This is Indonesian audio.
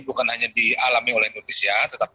bukan hanya dialami oleh indonesia